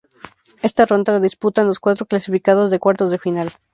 Esta ronda la disputan los cuatro clasificados de cuartos de final.